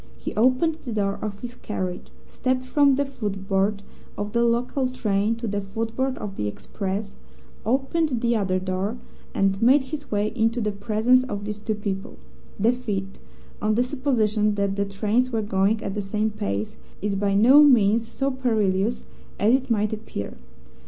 He opened the door of his carriage, stepped from the footboard of the local train to the footboard of the express, opened the other door, and made his way into the presence of these two people. The feat (on the supposition that the trains were going at the same pace) is by no means so perilous as it might appear.